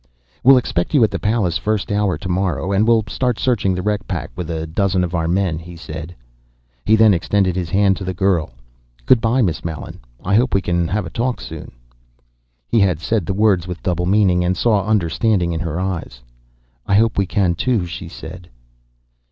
"We'll expect you at the Pallas first hour to morrow, and we'll start searching the wreck pack with a dozen of our men," he said. He then extended his hand to the girl. "Good by, Miss Mallen. I hope we can have a talk soon." He had said the words with double meaning, and saw understanding in her eyes. "I hope we can, too," she said.